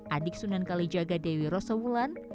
adik sunan kalijaga dewi rosa wulan